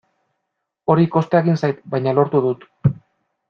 Hori kosta egin zait, baina lortu dut.